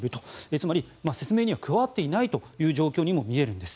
つまり、説明には加わっていないという状況にも見えるんです。